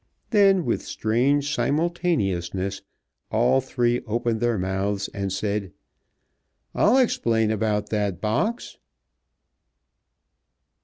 Then, with strange simultaneousness, all three opened their mouths and said: "I'll explain about that box!"